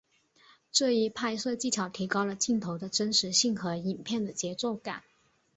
这一拍摄技巧提高了镜头的真实性和影片的节奏感。